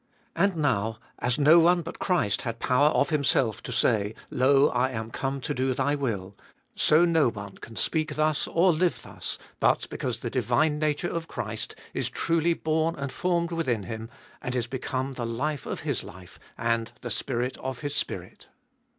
And now, as no one but Christ had power of Himself to say, Lo, I am come to do Thy will, so no one can speak thus, or live thus, but because the divine nature of Christ is truly born and formed within him, and is become the life of his life and the spirit of his Spirit.